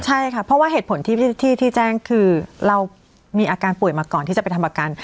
ใช่ค่ะเพราะว่าเหตุผลที่แจ้งคือเรามีอาการป่วยมาก่อนที่จะไปทำอาการ